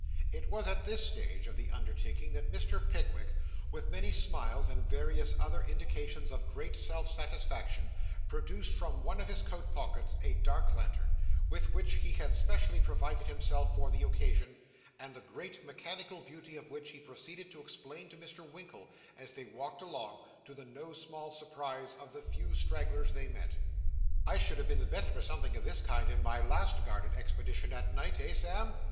It was at this stage of the undertaking that Mr. Pickwick, with many smiles and various other indications of great self satisfaction, produced from one of his coat pockets a dark lantern, with which he had specially provided himself for the occasion, and the great mechanical beauty of which he proceeded to explain to Mr. Winkle, as they walked along, to the no small surprise of the few stragglers they met. 'I should have been the better for something of this kind, in my last garden expedition, at night; eh, Sam?